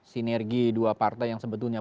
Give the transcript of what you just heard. sinergi dua partai yang sebetulnya